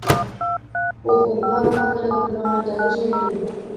অপু ঘাড় ও হাত নাড়িয়া বলিল, হ্যাঁ, তাই বুঝি আমি বলি।